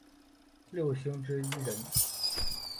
六星之一人。